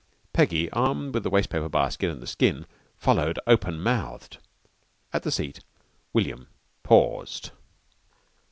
Peggy, armed with the wastepaper basket and the skin, followed open mouthed. At the seat William paused.